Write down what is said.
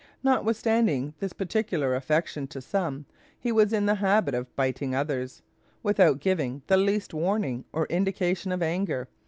Notwithstanding this particular affection to some, he was in the habit of biting others, without giving the least warning or indication of anger.